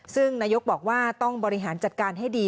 ซึ่งนายกบอกว่าต้องบริหารจัดการให้ดี